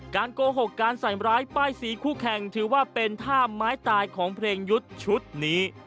โกหกการใส่ร้ายป้ายสีคู่แข่งถือว่าเป็นท่าไม้ตายของเพลงยุทธ์ชุดนี้